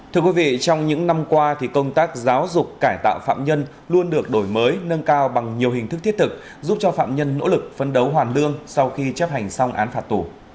thưa quý vị trong những năm qua thì công tác giáo dục cải tạo phạm nhân luôn được đổi mới nâng cao bằng nhiều hình thức thiết thực giúp cho phạm nhân nỗ lực phân đấu hoàn lương sau khi chấp hành xong án phạt tù